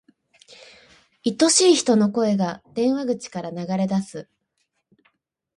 愛しい人の声が、電話口から流れ出す。